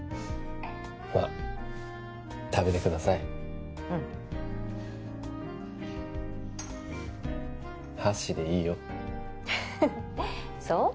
まあ食べてくださいうん箸でいいよそう？